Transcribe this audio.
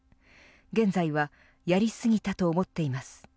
現在はやりすぎたと思っています